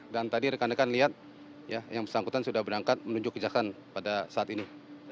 dan tadi rekan rekan lihat yang pesangkutan sudah berangkat menuju kejahatan pada saat ini